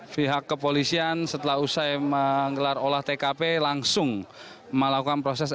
pihak kepolisian setelah usai menggelar olah tkp langsung melakukan proses